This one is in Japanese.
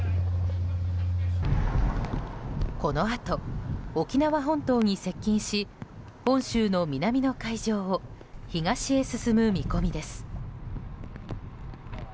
このあと、沖縄本島に接近し本州の南の海上を東へ進む見込みです。